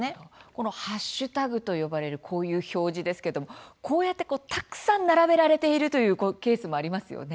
このハッシュタグと呼ばれるこういう表示ですけどもこうやってたくさん並べられているというケースもありますよね。